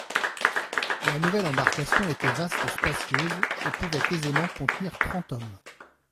La nouvelle embarcation était vaste et spacieuse, et pouvait aisément contenir trente hommes.